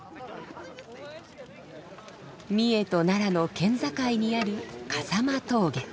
三重と奈良の県境にある笠間峠。